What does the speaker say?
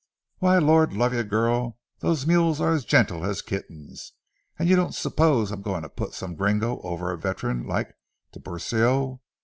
"Why, Lord love you, girl, those mules are as gentle as kittens; and you don't suppose I'm going to put some gringo over a veteran like Tiburcio.